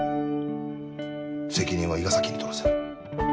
責任は伊賀崎に取らせる。